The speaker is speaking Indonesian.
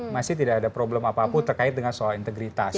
masih tidak ada problem apapun terkait dengan soal integritas